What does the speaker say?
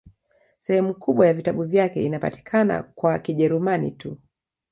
Sehemu kubwa ya vitabu vyake inapatikana kwa Kijerumani tu.